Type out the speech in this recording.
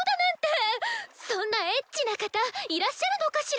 そんなエッチな方いらっしゃるのかしら！